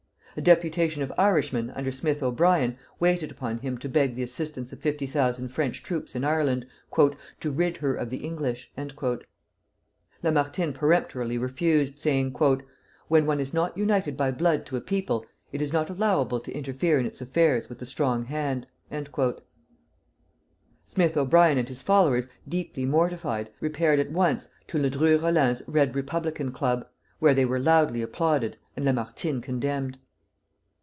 A deputation of Irishmen, under Smith O'Brien, waited upon him to beg the assistance of fifty thousand French troops in Ireland, "to rid her of the English." Lamartine peremptorily refused, saying: "When one is not united by blood to a people, it is not allowable to interfere in its affairs with the strong hand." Smith O'Brien and his followers, deeply mortified, repaired at once to Ledru Rollin's Red Republican Club, where they were loudly applauded, and Lamartine condemned.